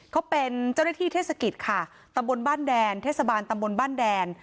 เขาเป็นเจ้าหน้าที่เทศกิจค่ะตำบลบ้านแดนเทศบาลตำบลบ้านแดน